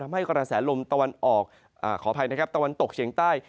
ให้กระแสลมตะวันออกขออภัยนะครับตะวันตกเฉียงใต้